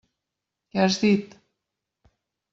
Què has dit?